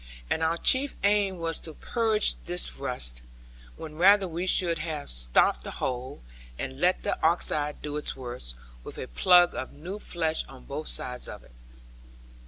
And our chief aim was to purge this rust; when rather we should have stopped the hole, and let the oxide do its worst, with a plug of new flesh on both sides of it.